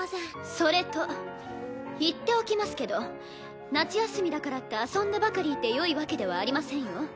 それと言っておきますけど夏休みだからって遊んでばかりいてよいわけではありませんよ。